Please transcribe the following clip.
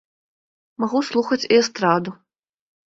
Магу слухаць і эстраду.